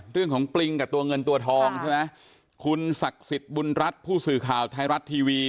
ปริงกับตัวเงินตัวทองใช่ไหมคุณศักดิ์สิทธิ์บุญรัฐผู้สื่อข่าวไทยรัฐทีวี